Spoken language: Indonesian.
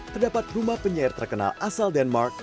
terdapat rumah penyair terkenal asal denmark